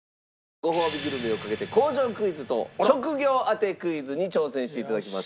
ごほうびグルメをかけて工場クイズと職業当てクイズに挑戦して頂きます。